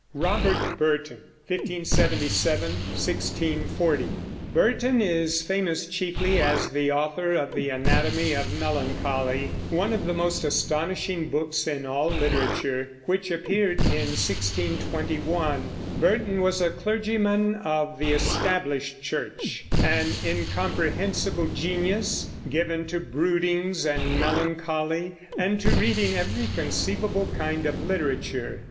ROBERT BURTON (1577 1640). Burton is famous chiefly as the author of the Anatomy of Melancholy, one of the most astonishing books in all literature, which appeared in 1621. Burton was a clergyman of the Established Church, an incomprehensible genius, given to broodings and melancholy and to reading of every conceivable kind of literature.